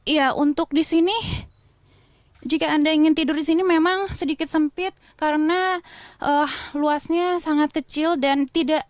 ya untuk disini jika anda ingin tidur disini memang sedikit sempit karena luasnya sangat kecil dan tidak